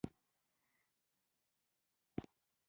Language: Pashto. هر ځوان غواړي ښه بدن ولري.